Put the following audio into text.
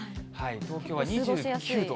東京は２９度。